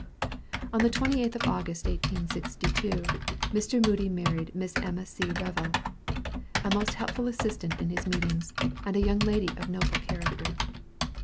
On the 28th of August, 1862, Mr. Moody married Miss Emma C. Revell, a most helpful assistant in his meetings, and a young lady of noble character.